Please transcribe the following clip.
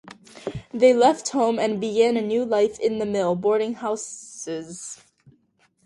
They left home and began a new life in the mill boarding houses.